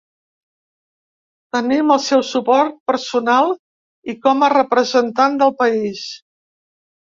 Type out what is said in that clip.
Tenim el seu suport personal i com a representant del país.